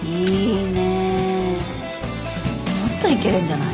もっといけるんじゃない？